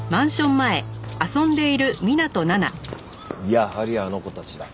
やはりあの子たちだ。